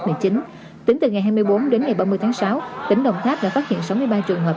tính từ ngày hai mươi bốn đến ngày ba mươi tháng sáu tỉnh đồng tháp đã phát hiện sáu mươi ba trường hợp